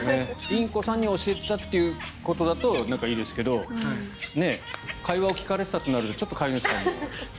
インコさんに教えてたってことだとなんかいいですけど会話を聞かれてたとなるとちょっと飼い主さんも。